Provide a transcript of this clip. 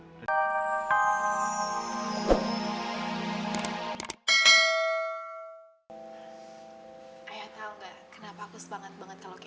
ayah tau gak kenapa aku sebanget banget ke lokim